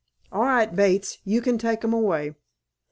All right, Bates. You can take 'em away."